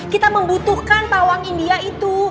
kita membutuhkan pawang india itu